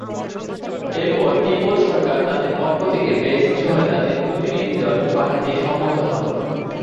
এরপর তিব্বত সরকার তাঁদের পক্ষ থেকে বেইজিং শহরে তাঁদের প্রতিনিধিদল পাঠাতে সম্মত হন।